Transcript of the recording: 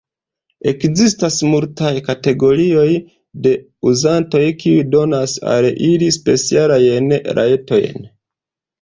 Ekzistas multaj kategorioj de uzantoj, kiuj donas al ili specialajn rajtojn.